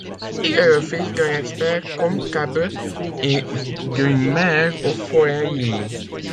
Il est le fils d’un expert comptable et d'une mère au foyer.